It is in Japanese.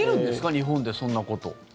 日本でそんなこと。